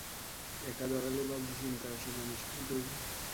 একা দাঁড়ালে বাজে চিন্তা আসে, জানিস না তুই।